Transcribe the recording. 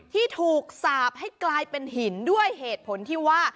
ที่ถูกสาบให้กลายเป็นหินด้วยเหตุผลที่ว่า